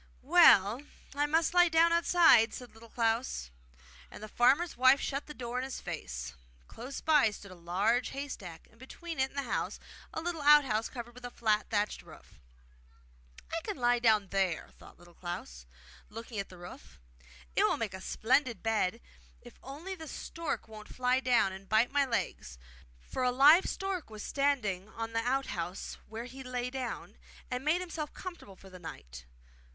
'Well, I must lie down outside,' said Little Klaus; and the farmer's wife shut the door in his face. Close by stood a large haystack, and between it and the house a little out house, covered with a flat thatched roof. 'I can lie down there,' thought Little Klaus, looking at the roof; 'it will make a splendid bed, if only the stork won't fly down and bite my legs.' For a live stork was standing on the roof, where it had its nest. So Little Klaus crept up into the out house, where he lay down, and made himself comfortable for the night.